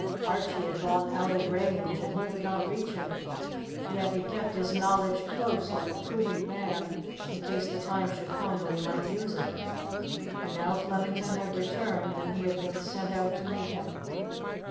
Archie had gone out of range, and he could not reach him; yet he kept his knowledge close, like a prudent man, in case the time should come when he might use it. And now Flemington had returned, and he had been sent out to meet him.